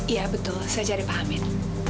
iya betul saya cari pak amin